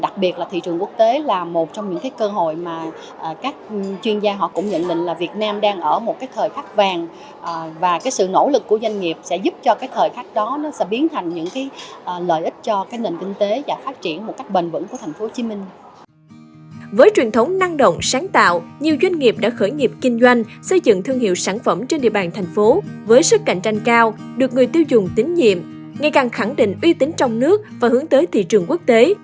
thưa quý vị và các bạn hiện nay rất nhiều doanh nghiệp đã khởi nghiệp kinh doanh xây dựng thương hiệu sản phẩm với sức cạnh tranh cao được người tiêu dùng tín nhiệm ngày càng khẳng định uy tín trong nước và hướng tới thị trường quốc tế